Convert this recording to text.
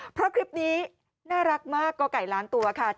เพราะคลิปนี้น่ารักมากก่อไก่ล้านตัวค่ะ